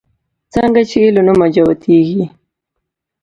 څنگه چې يې له نوم جوتېږي